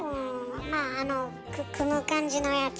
まああの組む感じのやつ？